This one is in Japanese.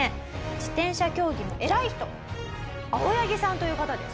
自転車競技の偉い人青柳さんという方です。